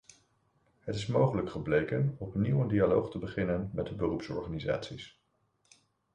Het is mogelijk gebleken opnieuw een dialoog te beginnen met de beroepsorganisaties.